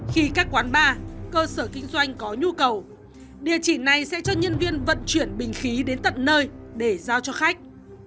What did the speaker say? khi các quán bar cơ sở kinh doanh có nhu cầu địa chỉ này sẽ cho nhân viên vận chuyển bình khí đến tận nơi để giao cho khách